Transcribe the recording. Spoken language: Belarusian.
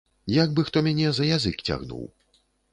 Як бы хто мяне за язык цягнуў.